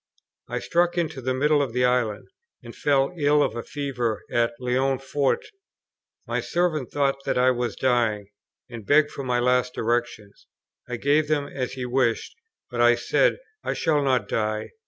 I struck into the middle of the island, and fell ill of a fever at Leonforte. My servant thought that I was dying, and begged for my last directions. I gave them, as he wished; but I said, "I shall not die."